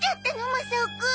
マサオくん。